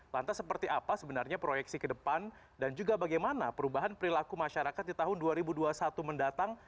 lantas seperti apa sebenarnya proyeksi ke depan dan juga bagaimana perubahan perilaku masyarakat di tahun dua ribu dua puluh satu mendatang